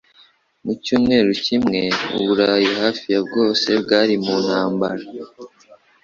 Mu cyumweru kimwe, Uburayi hafi ya bwose bwari mu ntambara.